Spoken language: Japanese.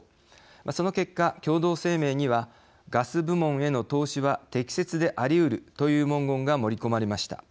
その結果、共同声明にはガス部門への投資は適切でありうるという文言が盛り込まれました。